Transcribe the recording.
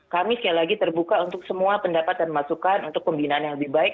kami sekali lagi terbuka untuk semua pendapat dan masukan untuk pembinaan yang lebih baik